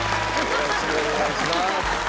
よろしくお願いします。